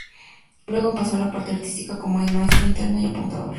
Luego pasó a la parte artística como maestro interno y apuntador.